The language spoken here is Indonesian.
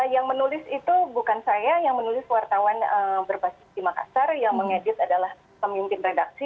yang menulis itu bukan saya yang menulis wartawan berbasis di makassar yang mengedit adalah pemimpin redaksi